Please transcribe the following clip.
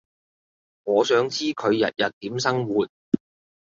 我想知佢日日點生活